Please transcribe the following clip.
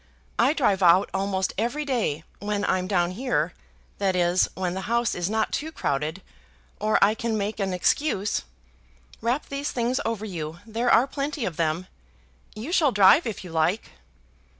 I drive out almost every day when I'm down here, that is, when the house is not too crowded, or I can make an excuse. Wrap these things over you; there are plenty of them. You shall drive if you like."